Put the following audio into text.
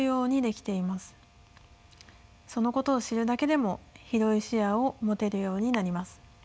そのことを知るだけでも広い視野を持てるようになります。